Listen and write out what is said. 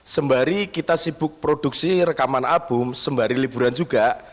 sembari kita sibuk produksi rekaman album sembari liburan juga